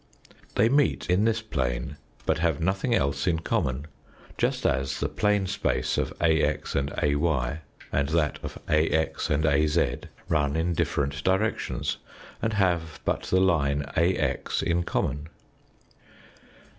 They meet in this plane but have nothing else in common, just as the plane space of AX and AY and that of AX and AZ run in different directions and have but the line AX in common.